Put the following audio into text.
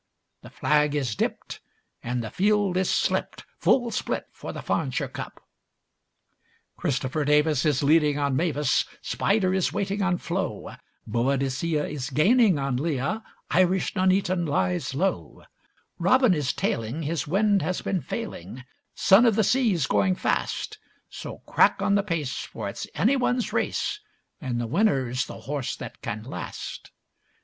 The flag is dipped and the field is slipped, Full split for the Farnshire Cup. Christopher Davis is leading on Mavis, Spider is waiting on Flo; Boadicea is gaining on Leah, Irish Nuneaton lies low; Robin is tailing, his wind has been failing, Son of the Sea's going fast: So crack on the pace for it's anyone's race, And the winner's the horse that can last.